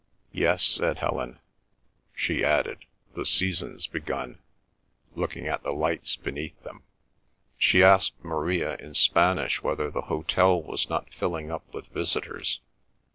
"Yes," said Helen. She added, "The season's begun," looking at the lights beneath them. She asked Maria in Spanish whether the hotel was not filling up with visitors.